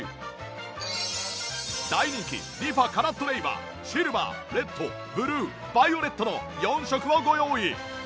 大人気リファカラットレイはシルバーレッドブルーバイオレットの４色をご用意